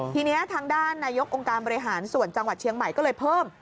ทีนี้ทางด้านนายกองค์การบริหารส่วนจังหวัดเชียงใหม่ก็เลยเพิ่ม